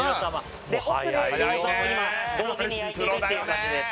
で奥で餃子を今同時に焼いているっていう感じです